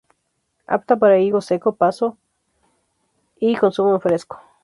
Apta para higo seco paso y consumo en fresco.